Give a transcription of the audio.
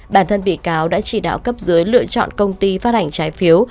bản thân bị cáo đã chỉ đạo cấp dưới lựa chọn công ty phát hành trái phiếu